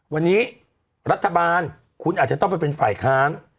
วันนี้รัฐบาลคุณอาจจะต้องไปเป็นฝ่ายค้าน